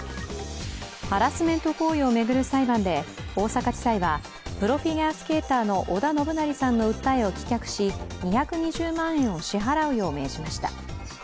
ハラスメント行為を巡る裁判で大阪地裁はプロフィギュアスケーターの織田信成さんの訴えを棄却し、２２０万円を支払うよう命じました。